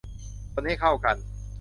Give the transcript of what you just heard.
คนให้เข้ากัน